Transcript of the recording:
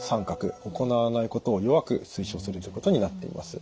行わないことを弱く推奨するということになっています。